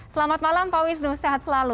selamat malam pak wisnu sehat selalu